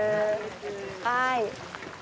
はい。